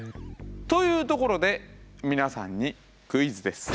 というところで皆さんにクイズです。